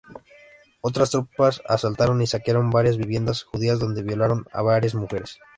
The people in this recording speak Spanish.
Otras tropas asaltaron y saquearon varias viviendas judías, donde violaron a varias mujeres.